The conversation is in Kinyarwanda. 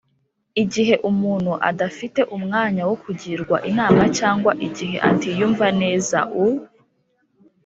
igihe umuntu adafite umwanya wo kugirwa inama cyangwa igihe atiyumva neza, u